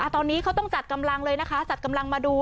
ตอนนี้เขาต้องจัดกำลังเลยนะคะจัดกำลังมาดู